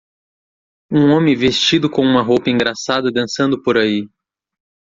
Um homem vestido com uma roupa engraçada dançando por aí.